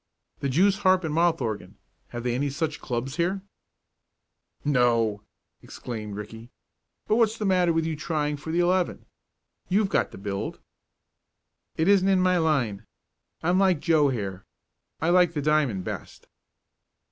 "The Jewsharp and mouthorgan. Have they any such clubs here?" "No!" exclaimed Ricky. "But what's the matter with you trying for the eleven? You've got the build." "It isn't in my line. I'm like Joe here. I like the diamond best."